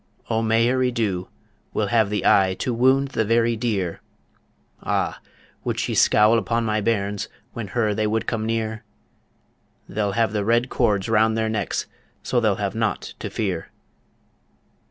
O Mairi Dhu will have the eye To wound the very deer Ah! would she scowl upon my bairns When her they would come near? They'll have the red cords round their necks, So they'll have naught to fear.